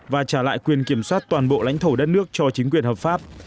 và trả lại quyền kiểm soát toàn bộ lãnh thổ đất nước cho chính quyền hợp pháp